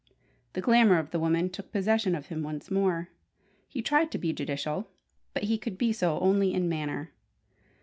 The glamour of the woman took possession of him once more. He tried to be judicial, but he could be so only in manner.